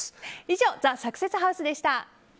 以上ＴＨＥサクセスハウスでした。